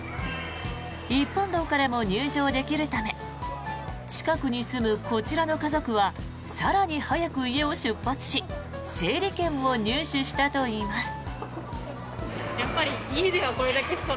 一般道からも入場できるため近くに住むこちらの家族は更に早く家を出発し整理券を入手したといいます。